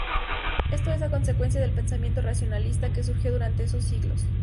Esto es a consecuencia del pensamiento racionalista que surgió durante esos siglos.